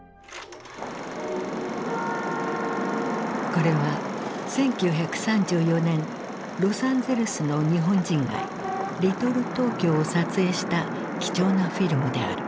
これは１９３４年ロサンゼルスの日本人街リトル・トーキョーを撮影した貴重なフィルムである。